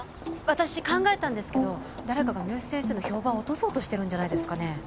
私考えたんですけど誰かが三好先生の評判を落とそうとしてるんじゃないですかね。